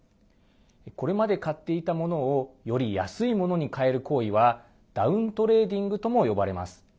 これまで買っていたものをより安いものに替える行為はダウントレーディングとも呼ばれます。